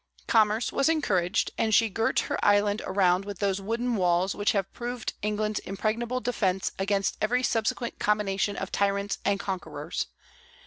Commerce was encouraged, and she girt her island around with those "wooden walls" which have proved England's impregnable defence against every subsequent combination of tyrants and conquerors.